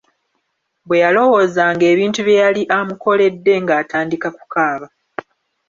Bwe yalowoozanga ebintu bye yali amukoledde, ng'atandika kukaaba.